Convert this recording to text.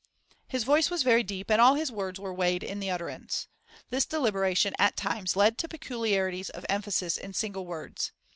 His voice was very deep, and all his words were weighed in the utterance. This deliberation at times led to peculiarities of emphasis in single words.